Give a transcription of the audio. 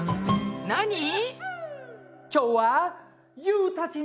なに？